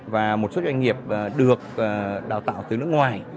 và một số doanh nghiệp được đào tạo từ nước ngoài